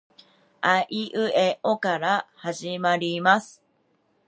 あいうえおから始まります